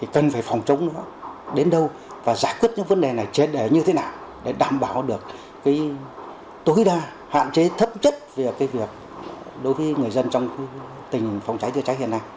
cần phải phòng chống đến đâu và giải quyết những vấn đề này trên để như thế nào để đảm bảo được tối đa hạn chế thấp chất về việc đối với người dân trong tình phòng cháy chữa cháy hiện nay